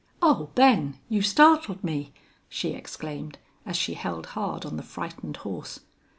"Oh, Ben! you startled me!" she exclaimed, as she held hard on the frightened horse.